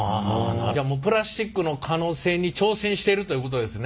じゃあもうプラスチックの可能性に挑戦しているということですね？